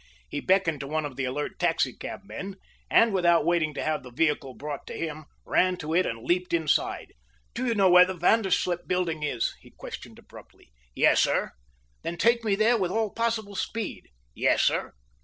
He beckoned to one of the alert taxicabmen, and without waiting to have the vehicle brought to him, ran to it and leaped inside. "Do you know where the Vanderslip Building is?" he questioned abruptly. "Yes, sir." "Then take me there with all possible speed." "Yes, sir."